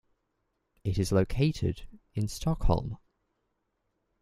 It is located in Stockholm.